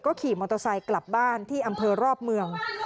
ขี่มอเตอร์ไซค์กลับบ้านที่อำเภอรอบเมือง